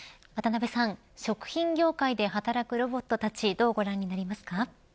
食品業界で働くロボットたちどうご覧になりますか。